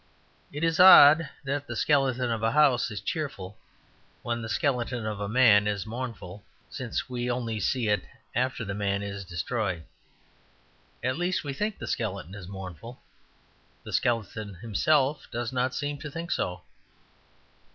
It is odd that the skeleton of a house is cheerful when the skeleton of a man is mournful, since we only see it after the man is destroyed. At least, we think the skeleton is mournful; the skeleton himself does not seem to think so.